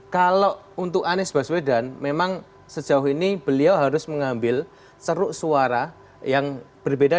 kalau untuk anies baswedan memang sejauh ini beliau harus mengambil ceruk suara yang berbeda